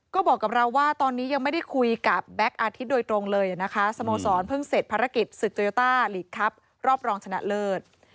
ก็บอกกับเราว่าตอนนี้ยังไม่ได้คุยกับแบ็คอาทิตย์โดยตรงเลยนะคะสโมสรเพิ่งเสร็จภารกิจศึกโยต้าลีกครับรอบรองชนะเลิศ